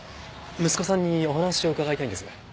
息子さんにお話を伺いたいんです。